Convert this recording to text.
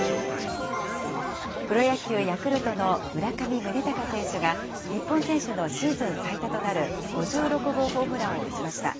プロ野球・ヤクルトの村上宗隆選手が、日本選手のシーズン最多となる５６号ホームランを打ちました。